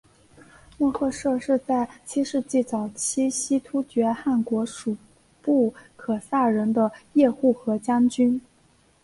莫贺设是在七世纪早期西突厥汗国属部可萨人的叶护和将军。